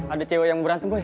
ada cewek yang berantem pak